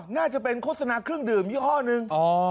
น่าจะเป็นโฆษณาเครื่องดื่มยี่ห้อหนึ่ง